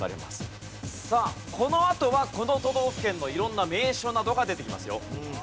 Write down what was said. さあこのあとはこの都道府県の色んな名所などが出てきますよ。